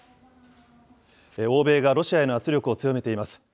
欧米がロシアへの圧力を強めています。